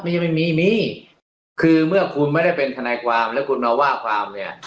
ไม่มีมีคือเมื่อคุณไม่ได้เป็นทนายความแล้วคุณมาว่าความเนี่ย